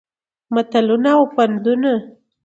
متلونه او پندونه